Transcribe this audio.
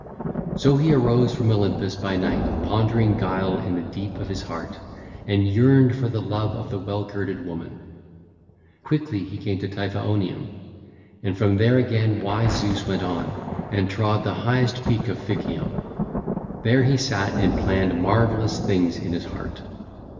So he arose from Olympus by night pondering guile in the deep of his heart, and yearned for the love of the well girded woman. Quickly he came to Typhaonium, and from there again wise Zeus went on and trod the highest peak of Phicium 1801: there he sat and planned marvellous things in his heart.